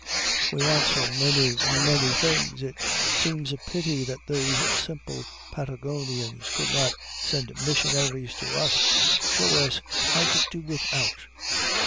We want so many, many things, it seems a pity that those simple Patagonians could not send missionaries to us to show us how to do without.